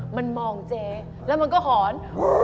มันมองเจ๊แล้วมันก็หอน